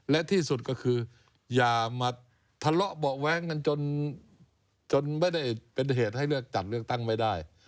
และที่สุดก็คืออย่ามาทะเลาะเบาะแว้งกันจนไม่ได้เป็นเหตุให้เลือกจัดเลือกตั้งไม่ได้